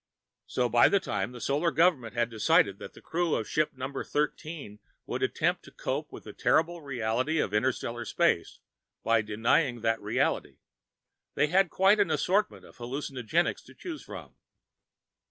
So by the time the Solar Government had decided that the crew of ship Number Thirteen would attempt to cope with the terrible reality of interstellar space by denying that reality, they had quite an assortment of hallucinogens to choose from.